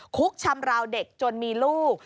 คุกชำราวเด็กจนมีลูก